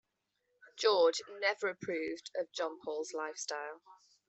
George never approved of Jean Paul's lifestyle.